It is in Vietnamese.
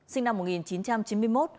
sinh năm một nghìn chín trăm chín mươi một